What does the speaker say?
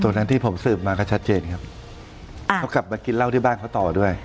ตรงนั้นที่ผมสืบมาก็ชัดเจนครับอ่าเขากลับมากินเหล้าที่บ้านเขาต่อด้วย